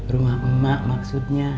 rumah emak maksudnya